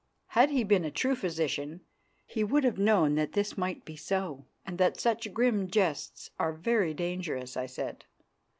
"Had he been a true physician, he would have known that this might be so, and that such grim jests are very dangerous," I said.